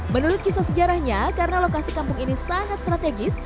menurut kisah sejarahnya karena lokasi kampung ini sangat strategis